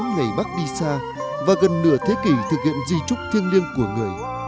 bốn mươi ngày bác đi xa và gần nửa thế kỷ thực hiện di trúc thiêng liêng của người